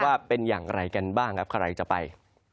ว่าเป็นอย่างไรกันบ้างครับใครจะไป